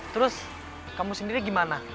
terus kamu sendiri gimana